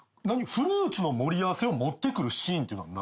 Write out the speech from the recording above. フルーツの盛り合わせを持ってくるシーンって何？